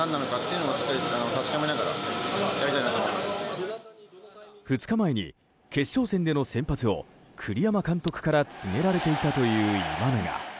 麒麟特製レモンサワー２日前に決勝戦での先発を栗山監督から告げられていたという今永。